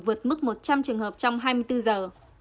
vượt mức một trăm linh trường hợp trong hai mươi bốn giờ